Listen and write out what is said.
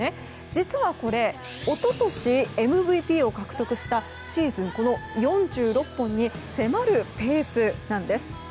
実はこれ一昨年ＭＶＰを獲得したシーズン４６本に迫るペースなんです。